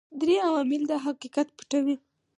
درې عوامل دا حقیقت پټوي.